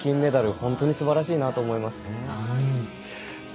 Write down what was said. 本当に、すばらしいと思います。